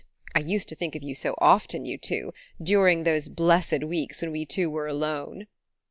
I used to think of you so often, you two... during those blessed weeks when we two were alone...."